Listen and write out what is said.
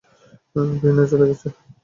ভীনা চলে গেছে?